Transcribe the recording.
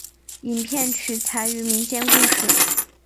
影片取材于民间故事。